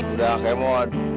udah kak emot